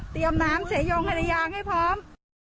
เตรียมน้ำเฉยงไฮทยางให้พร้อม